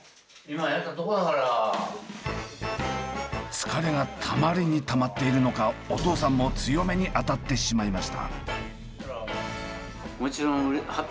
疲れがたまりにたまっているのかお父さんも強めに当たってしまいました。